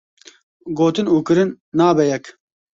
Gotin û kirin nabe yek.